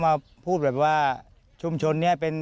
ไม่อยากให้มองแบบนั้นจบดราม่าสักทีได้ไหม